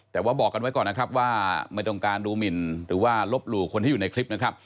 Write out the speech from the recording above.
แต่ว่าบอกกันไว้ก่อนนะครับว่าไม่ต้องการดูหมินหรือว่าลบหลู่คนที่อยู่ในคลิปนะครับ